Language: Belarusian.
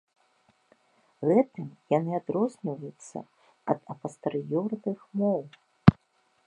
Гэтым яны адрозніваюцца ад апастэрыёрных моў.